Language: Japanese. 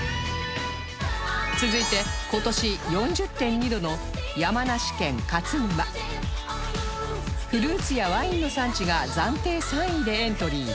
続いて今年 ４０．２ 度の山梨県勝沼フルーツやワインの産地が暫定３位でエントリー